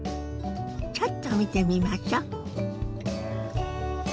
ちょっと見てみましょ。